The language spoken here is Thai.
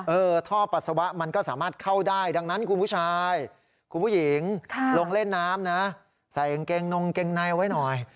ท่อปัสสาวะมันก็สามารถเข้าได้ดังนั้นคุณผู้ชายคุณผู้หญิงลงเล่นน้ำนะใส่กางเกงนงเกงในไว้หน่อย